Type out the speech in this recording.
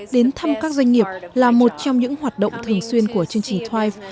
đến thăm các doanh nghiệp là một trong những hoạt động thường xuyên của chương trình thoi